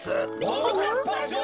ももかっぱじょ